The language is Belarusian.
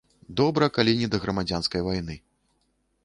Добра, калі не да грамадзянскай вайны.